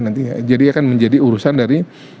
nanti jadi akan menjadi urusan dari